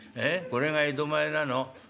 これが江戸前なの」。